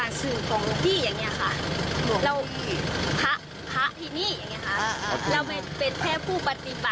เราเป็นแค่ผู้ปฏิบัติ